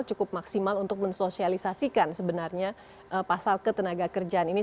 cukup maksimal untuk mensosialisasikan sebenarnya pasal ketenaga kerjaan ini